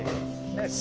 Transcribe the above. よし。